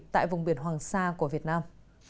tại vùng biển hoàng sa của việt nam